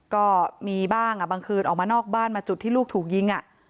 ก็มีบ้างบางคืนออกมานอกบ้านมาจุดที่ลูกถูกยิง